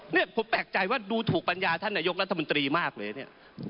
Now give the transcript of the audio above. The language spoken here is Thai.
เนี่ยผมแปลกใจว่าดูถูกปัญญาท่านนายกรัฐมนตรีมากเลยเนี่ย